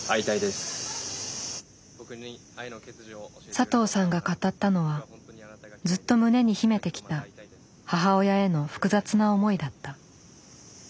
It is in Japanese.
佐藤さんが語ったのはずっと胸に秘めてきた母親への複雑な思いだった。